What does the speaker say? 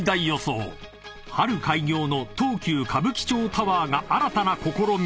［春開業の東急歌舞伎町タワーが新たな試み］